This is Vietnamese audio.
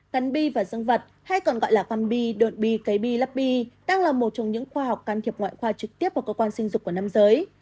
cắn bi và dương vật hay còn gọi là quăm bi đồn bi cấy bi lắp bi đang là một trong những khoa học can thiệp ngoại khoa trực tiếp vào cơ quan sinh dục của năm giới